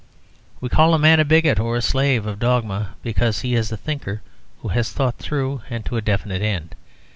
We call a man a bigot or a slave of dogma because he is a thinker who has thought thoroughly and to a definite end.